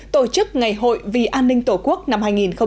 tổ chức ngày hội vì an ninh tổ quốc năm hai nghìn một mươi chín